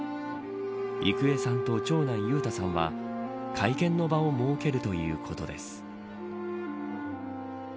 郁恵さんと長男、裕太さんは会見の場を設けるということです。